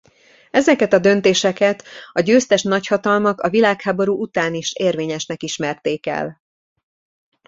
Ezeket a döntéseket a győztes nagyhatalmak a világháború után is érvényesnek ismerték el.